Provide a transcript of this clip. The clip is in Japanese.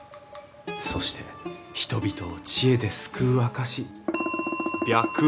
そして人々を知恵で救う証し白毫。